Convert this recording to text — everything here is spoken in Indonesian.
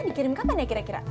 dikirim kapan ya kira kira